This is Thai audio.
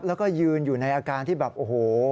แล้วก็ยืนอยู่ในอาการที่แบบโอ้โห